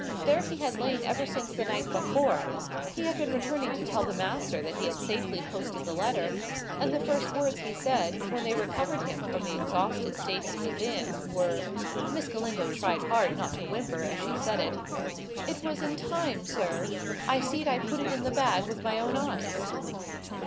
There he had lain ever since the night before: he had been returning to tell the master that he had safely posted the letter, and the first words he said, when they recovered him from the exhausted state he was in, were" (Miss Galindo tried hard not to whimper, as she said it), "'It was in time, sir. I see'd it put in the bag with my own eyes.